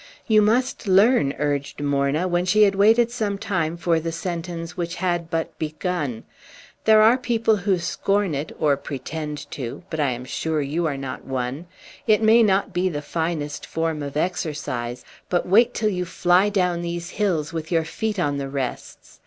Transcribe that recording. "You must learn," urged Morna, when she had waited some time for the sentence which had but begun. "There are people who scorn it or pretend to but I am sure you are not one. It may not be the finest form of exercise, but wait till you fly down these hills with your feet on the rests!